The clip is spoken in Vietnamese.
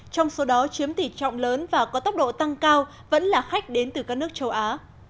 trong số đó chiếm tỷ trọng lớn và có tốc độ tăng cao vẫn là khách đến từ các nước châu á